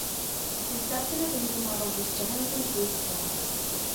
Reception of the new model was generally lukewarm.